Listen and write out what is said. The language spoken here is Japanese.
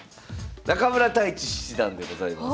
中村太地七段でございます。